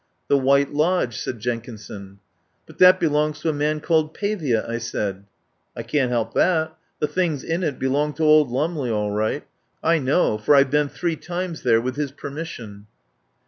"The White Lodge," said Jenkinson. "But that belongs to a man called Pavia," I said. "I can't help that. The things in it be long to old Lumley, all right. I know, for I've been three times there with his per mission."